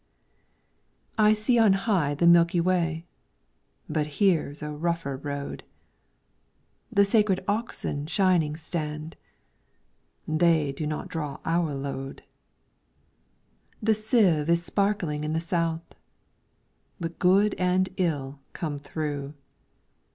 I SEE on high the Milky Way, But here 's a rougher road. The Sacred Oxen shining stand ; They do not draw our load. The Sieve is sparkling in the South, But good and ill come through.